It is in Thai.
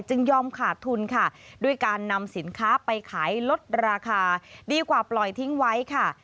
ยอมขาดทุนค่ะด้วยการนำสินค้าไปขายลดราคาดีกว่าปล่อยทิ้งไว้ค่ะ